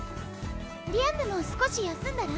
ディアンヌも少し休んだら？